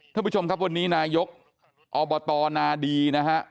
ท่านผู้ชมครับวันนี้นายกอบตนาดีนะฮะ